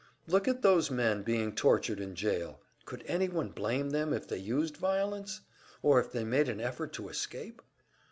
Look at those men being tortured in jail! Could anyone blame them if they used violence? Or if they made an effort to escape?"